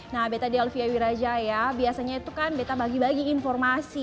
nah beta di alvia wiraja ya biasanya itu kan beta bagi bagi informasi